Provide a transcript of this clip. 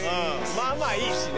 まあまあいいしね。